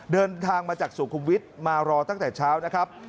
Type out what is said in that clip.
เดินทางมาจากสุขุมวิทย์มารอตั้งแต่เช้านะครับ